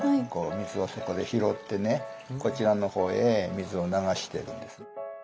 水をそこで拾ってねこちらの方へ水を流してるんです。